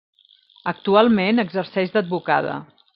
Actualment exerceix d'advocada.